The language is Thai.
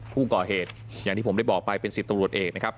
ผู้ก่อเหตุอย่างที่ผมได้บอกไปเป็น๑๐ตำรวจเอกนะครับ